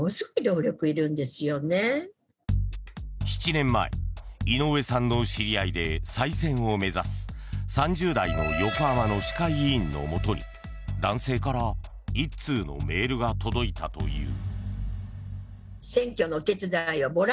７年前いのうえさんの知り合いで再選を目指す３０代の横浜の市会議員のもとに男性から１通のメールが届いたという。